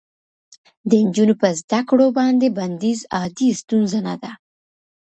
د نجونو په زده کړو باندې بندیز عادي ستونزه نه ده.